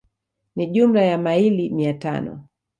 Ni jumla ya maili mia tano